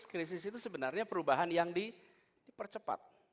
krisis itu sebenarnya perubahan yang dipercepat